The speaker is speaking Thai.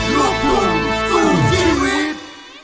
ลูกหนูสู้ชีวิต